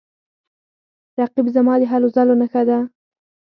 رقیب زما د هلو ځلو نښه ده